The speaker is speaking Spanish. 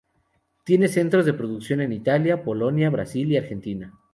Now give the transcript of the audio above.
Tiene centros de producción en Italia, Polonia, Brasil y Argentina.